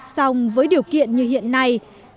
song với điều kiện như hiện nay